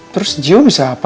terus jiho bisa apa